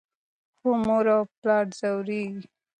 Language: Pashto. خو مور او پلار ځورېږي.